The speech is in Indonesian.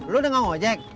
lo udah gak ngejek